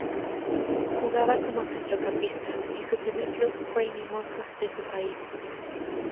Jugaba de centrocampista y su primer club fue el Mimosas de su país.